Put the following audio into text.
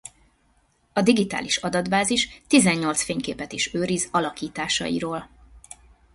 A digitális adatbázis tizennyolc fényképet is őriz alakításairól.